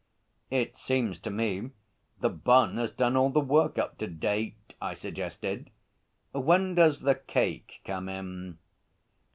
'It seems to me The Bun has done all the work up to date,' I suggested. 'When does The Cake come in?'